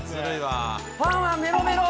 ファンはメロメロ。